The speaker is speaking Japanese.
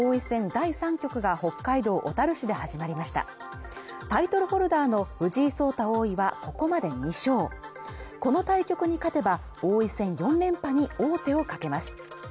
第３局が北海道小樽市で始まりましたタイトルホルダーの藤井聡太王位はここまで２勝この対局に勝てば王位戦４連覇に王手をかけます